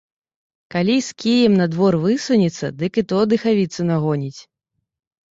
Калі з кіем на двор высунецца, дык і то дыхавіцу нагоніць.